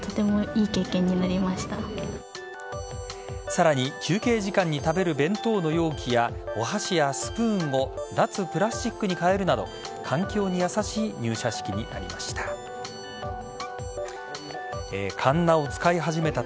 さらに休憩時間に食べる弁当の容器やお箸やスプーンも脱プラスチックにかえるなど環境に優しい入社式になりました。